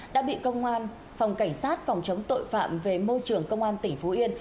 đã bị công an phòng cảnh sát phòng chống tội phạm về môi trường công an tỉnh phú yên